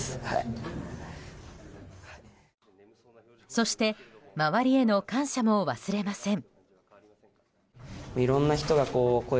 そして、周りへの感謝も忘れません。